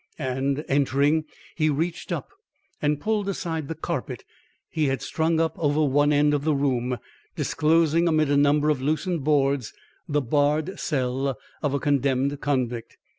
And, entering, he reached up, and pulled aside the carpet he had strung up over one end of the room, disclosing amid a number of loosened boards, the barred cell of a condemned convict.